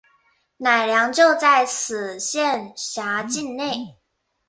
乃良就在此县辖境内。